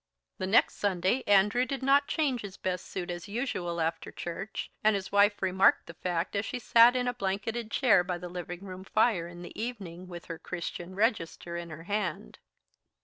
The next Sunday Andrew did not change his best suit, as usual, after church, and his wife remarked the fact as she sat in a blanketed chair by the living room fire in the evening, with her "Christian Register" in her hand.